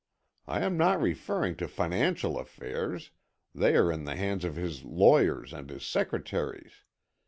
I am not referring to financial affairs, they are in the hands of his lawyer and his secretaries.